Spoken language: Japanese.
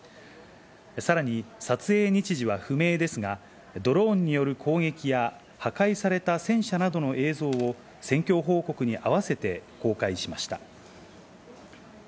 さらに撮影日時は不明ですがドローンによる攻撃や破壊された戦車などの映像を戦況報告にあわせて公開しました。